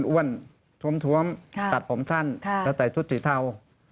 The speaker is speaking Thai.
อ้วนทรวมตัดส้มสันและใส่ชุดสีเทา